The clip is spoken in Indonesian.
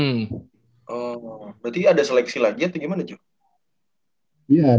oh wow berarti ada seleksi lagi atau gimana joe